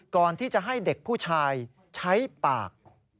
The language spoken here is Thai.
ก่อนที่จะให้เด็กผู้ชายใช้ปาก